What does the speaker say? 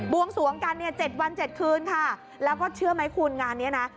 วงสวงกันเนี่ย๗วัน๗คืนค่ะแล้วก็เชื่อไหมคุณงานเนี้ยนะ